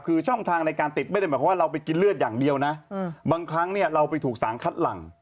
คือช่องทางในการติดไม่ได้หมายความว่าเราไปกินเลือดอย่างเดียวนะบางครั้งเนี่ยเราไปถูกสารคัดหลัง